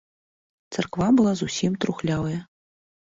Царква была зусім трухлявая.